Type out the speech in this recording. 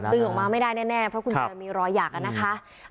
ตื่นออกมาไม่ได้แน่เพราะคุณเจ๋วมีรอยหยากนะ